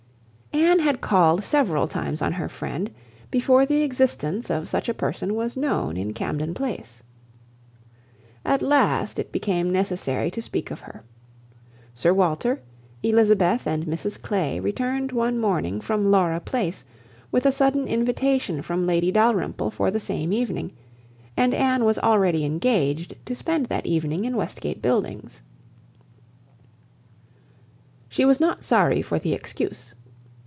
Anne had called several times on her friend, before the existence of such a person was known in Camden Place. At last, it became necessary to speak of her. Sir Walter, Elizabeth and Mrs Clay, returned one morning from Laura Place, with a sudden invitation from Lady Dalrymple for the same evening, and Anne was already engaged, to spend that evening in Westgate Buildings. She was not sorry for the excuse.